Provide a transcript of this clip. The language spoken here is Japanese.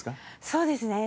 そうですね